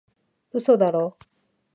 嘘だろ？